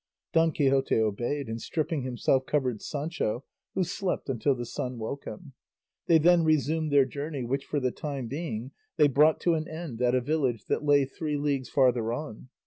Don Quixote obeyed, and stripping himself covered Sancho, who slept until the sun woke him; they then resumed their journey, which for the time being they brought to an end at a village that lay three leagues farther on.